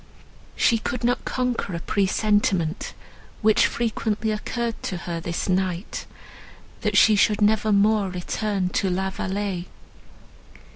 She could not conquer a presentiment, which frequently occurred to her, this night—that she should never more return to La Vallée.